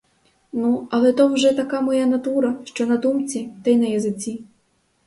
Ну, але то вже така моя натура: що на думці, те й на язиці.